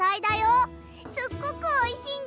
すっごくおいしいんだ。